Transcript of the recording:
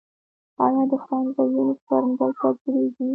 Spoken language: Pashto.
آیا د ښوونځي یونیفورم دلته جوړیږي؟